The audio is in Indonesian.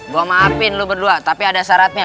gue maafin lu berdua tapi ada syaratnya